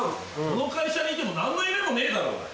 この会社にいても何の夢もねえだろうが。